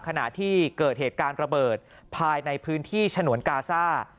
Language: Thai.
ขณะที่เกิดเหตุการณ์ระเบิดภายในพื้นที่ฉนวนกาซ่า